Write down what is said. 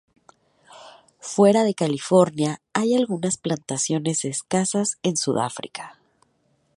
Fuera de California, hay algunas plantaciones escasas en Sudáfrica.